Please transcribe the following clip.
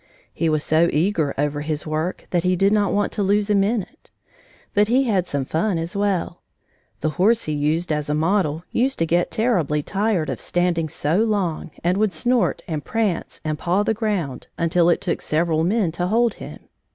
He was so eager over his work that he did not want to lose a minute. But he had some fun as well. The horse he used as a model used to get terribly tired of standing so long and would snort and prance and paw the ground until it took several men to hold him.